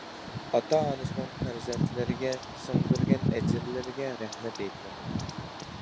ئاتا-ئانىسىنىڭ پەرزەنتلىرىگە سىڭدۈرگەن ئەجىرلىرىگە رەھمەت ئېيتىمەن!